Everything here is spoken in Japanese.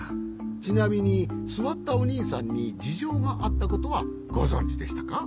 ちなみにすわったおにいさんにじじょうがあったことはごぞんじでしたか？